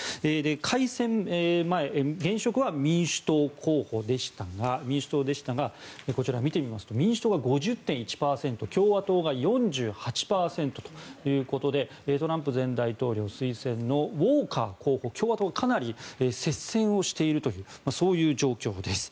開戦前、現職は民主党でしたがこちら、見てみますと民主党が５０．１％共和党が４８％ということでトランプ前大統領推薦のウォーカー候補共和党がかなり接戦をしているというそういう状況です。